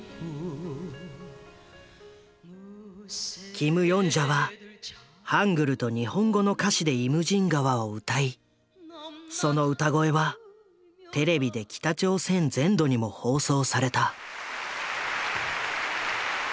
キム・ヨンジャはハングルと日本語の歌詞で「イムジン河」を歌いその歌声はテレビで北朝鮮全土にも放送された。